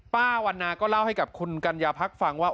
ป้าวันนาก็เล่าให้กับคุณกัญญาพักฟังว่า